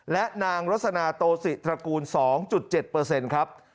และนางรสนาโตศิตระกูล๒๗ครับ